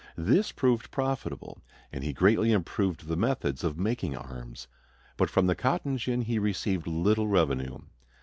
This proved profitable, and he greatly improved the methods of making arms. But from the cotton gin he received little revenue.